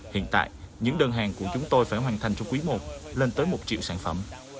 hiện tại những đơn hàng của chúng tôi phải hoàn thành trong quý i lên tới một triệu sản phẩm